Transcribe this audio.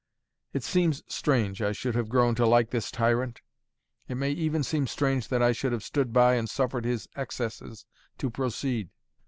It seems strange I should have grown to like this tyrant. It may even seem strange that I should have stood by and suffered his excesses to proceed.